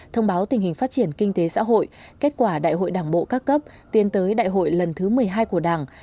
thông báo tình hình phát triển kinh tế xã hội kết quả đại hội đảng bộ các cấp tiến tới đại hội lần thứ một mươi hai của đảng